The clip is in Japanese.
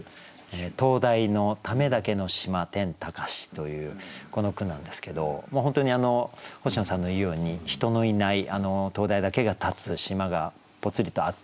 「灯台のためだけの島天高し」というこの句なんですけど本当に星野さんの言うように人のいない灯台だけが立つ島がぽつりとあってですね